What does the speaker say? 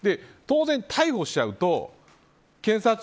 当然、逮捕しちゃうと